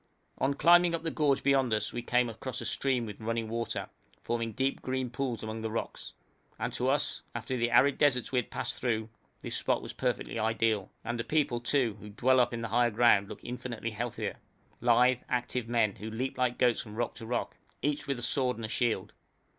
On climbing up the gorge beyond us we came across a stream with running water, forming deep green pools among the rocks, and to us, after the arid deserts we had passed through, this spot was perfectly ideal; and the people, too, who dwell up in the higher ground, look infinitely healthier lithe, active men, who leap like goats from rock to rock, each with a sword and shield.